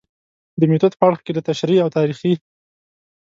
د میتود په اړخ کې له تشریحي او تاریخي